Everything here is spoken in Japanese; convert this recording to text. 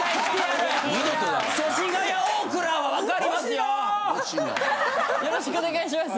よろしくお願いします！